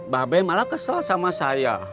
babe malah kesel sama saya